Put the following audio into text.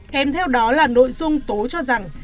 kèm theo đó là nội dung tố cho rằng